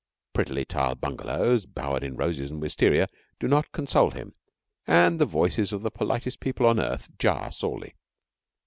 Pretty tiled bungalows, bowered in roses and wistaria, do not console him, and the voices of the politest people on earth jar sorely.